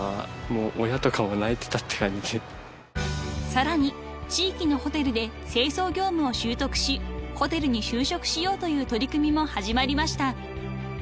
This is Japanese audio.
［さらに地域のホテルで清掃業務を習得しホテルに就職しようという取り組みも始まりました］